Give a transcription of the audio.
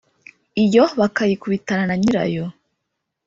iyó bakayikubitana na nyíra-yó